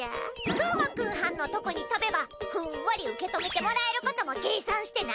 くぅもくんはんのとこに飛べばフンワリ受け止めてもらえることも計算してな！